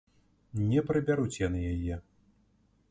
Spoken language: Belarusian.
Не прыбяруць яны яе!